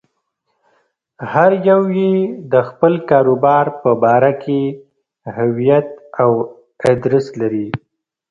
هر يو يې د خپل کاروبار په باره کې هويت او ادرس لري.